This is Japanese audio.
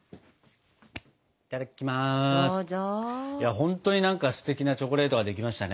本当に何かステキなチョコレートができましたね。